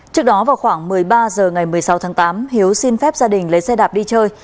trước đó vào khoảng một mươi ba h ngày một mươi sáu tháng tám hiếu xin phép gia đình lấy xe đạp đi chơi